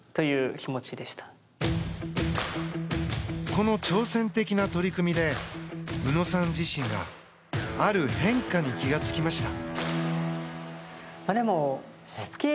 この挑戦的な取り組みで宇野さん自身がある変化に気が付きました。